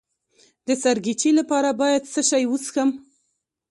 د سرګیچي لپاره باید څه شی وڅښم؟